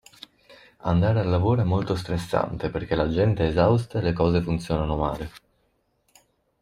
Andare al lavoro è molto stressante perché la gente è esausta e le cose funzionano male.